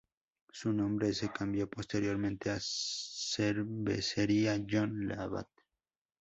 Su nombre se cambió posteriormente a Cervecería John Labatt.